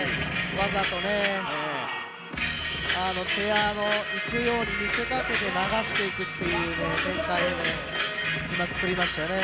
わざといくように見せかけて流していくという展開を今、作りましたよね。